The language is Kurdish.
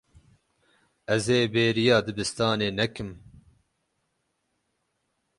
Ez ê bêriya dibistanê nekim.